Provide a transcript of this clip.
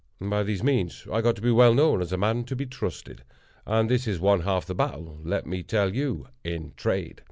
By these means I got to be well known as a man to be trusted; and this is one half the battle, let me tell you, in trade.